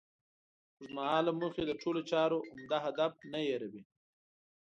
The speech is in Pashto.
اوږد مهاله موخې د ټولو چارو عمده هدف نه هېروي.